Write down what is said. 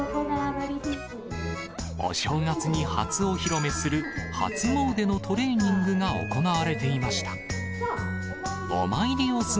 お正月に初お披露目する初詣のトレーニングが行われていました。